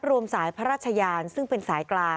ในเวลาเดิมคือ๑๕นาทีครับ